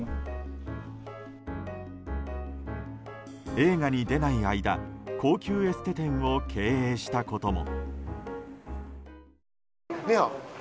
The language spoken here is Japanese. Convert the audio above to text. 映画に出ない間高級エステ店を経営したことも。